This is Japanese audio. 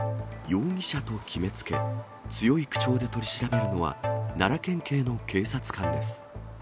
容疑者と決めつけ、強い口調で取り調べるのは、奈良県警の警察官です。